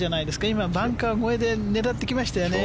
今、バンカー越えで狙ってきましたよね。